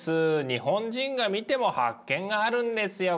日本人が見ても発見があるんですよ